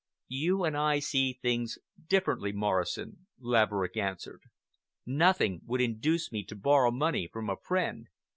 "You and I see things differently, Morrison," Laverick answered. "Nothing would induce me to borrow money from a friend."